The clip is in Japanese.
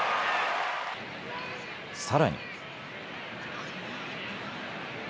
さらに。